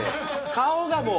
顔がもう。